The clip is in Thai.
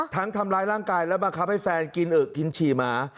ทำร้ายร่างกายและบังคับให้แฟนกินอึกกินฉี่หมา